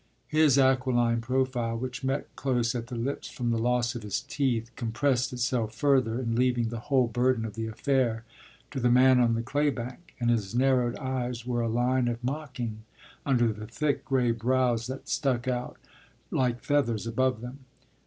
” His aquiline profile, which met close at the lips from the loss of his teeth, compressed itself further in leaving the whole burden of the affair to the man on the claybank, and his narrowed eyes were a line of mocking under the thick gray brows that stuck out like feathers above them.